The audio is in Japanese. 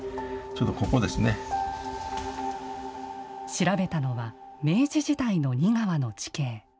調べたのは明治時代の仁川の地形。